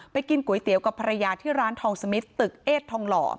กินก๋วยเตี๋ยวกับภรรยาที่ร้านทองสมิทตึกเอสทองหล่อ